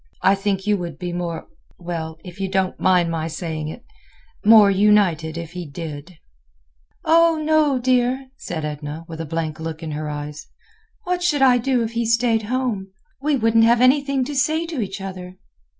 I think you would be more—well, if you don't mind my saying it—more united, if he did." "Oh! dear no!" said Edna, with a blank look in her eyes. "What should I do if he stayed home? We wouldn't have anything to say to each other."